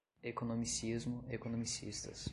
Economicismo, economicistas